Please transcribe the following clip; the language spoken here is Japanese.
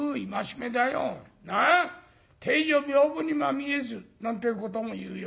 『貞女びょうぶにまみえず』なんてえことも言うよ。